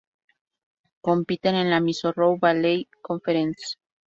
Compiten en la Missouri Valley Conference.